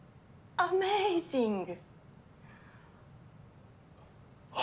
アメイジング！